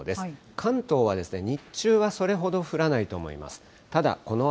関東は日中はそれほど降らないと思います。